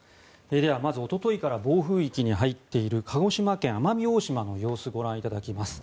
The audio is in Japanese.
ではまずおとといから暴風域に入っている鹿児島県・奄美大島の様子からご覧いただきます。